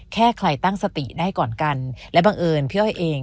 แค่ใครตั้งสติได้ก่อนกันและบังเอิญพี่อ้อยเอง